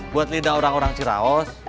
buat lidah orang orang ciraos